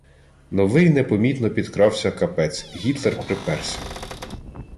Новий непомітно підкрався капець – Гітлер приперся